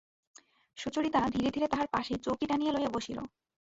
সুচরিতা ধীরে ধীরে তাঁহার পাশে চৌকি টানিয়া লইয়া বসিল।